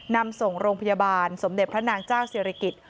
นำส่งโรงพยาบาลสมเด็จพระนางเจ้าศิริกิจ